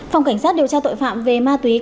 phòng cảnh sát điều tra tội phạm về ma túy công an